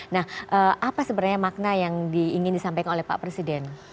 nah apa sebenarnya makna yang ingin disampaikan oleh pak presiden